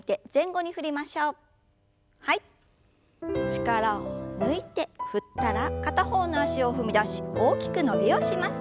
力を抜いて振ったら片方の脚を踏み出し大きく伸びをします。